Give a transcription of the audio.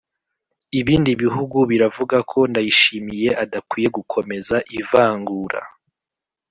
ibindi bihugu biravuga ko ndayishimiye adakwiye gukomeza ivangura